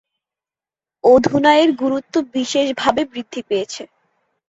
অধুনা এর গুরুত্ব বিশেষভাবে বৃদ্ধি পেয়েছে।